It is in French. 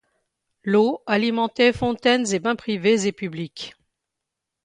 L'eau alimentait fontaines et bains privés et publics.